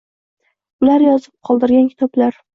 Ular yozib qoldirgan kitoblar